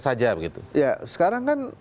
saja begitu ya sekarang kan